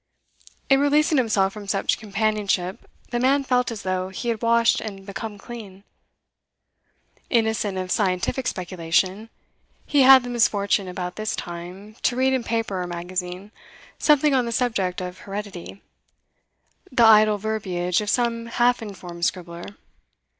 In releasing himself from such companionship, the man felt as though he had washed and become clean. Innocent of scientific speculation, he had the misfortune about this time to read in paper or magazine something on the subject of heredity, the idle verbiage of some half informed scribbler.